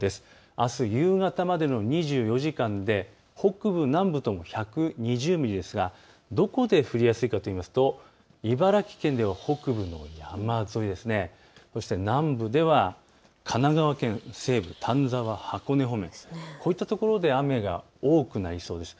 あす夕方までの２４時間で北部南部とも１２０ミリですがどこで降りやすいかといいますと茨城県では北部の山沿い、南部では神奈川県西部、丹沢、箱根方面、こういったところで雨が多くなりそうです。